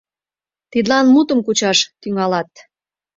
— Тидлан мутым кучаш тӱҥалат!